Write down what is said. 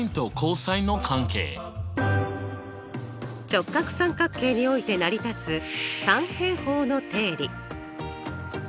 直角三角形において成り立つ三平方の定理。